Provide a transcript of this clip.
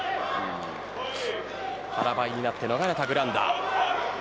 腹ばいになって逃れたグランダ。